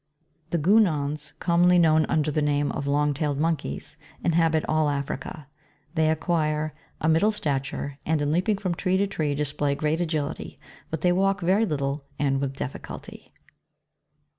lo. The GUENONS, commonly known under the name of long tailed monkeys, inhabit all Africa. They acquire a middle stature, and in leaping from tree to tree display great agility, but they walk very little and with difficulty.